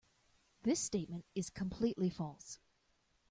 This statement is completely false.